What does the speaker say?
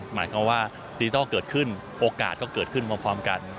หมายความว่าดิจิทัลเกิดขึ้นโอกาสก็เกิดขึ้นพร้อมกัน